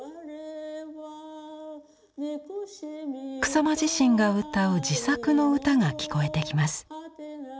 草間自身が歌う自作の歌が聞こえてきます。